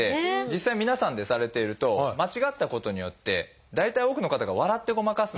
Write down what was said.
実際皆さんでされていると間違ったことによって大体多くの方が笑ってごまかす。